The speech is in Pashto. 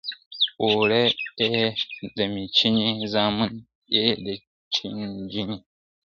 ¬ اوړه ئې د مېچني، زامن ئې د چنچڼي.